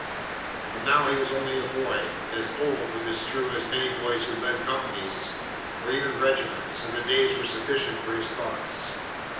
But now he was only a boy, as old, it is true, as many boys who led companies, or even regiments, and the days were sufficient for his thoughts.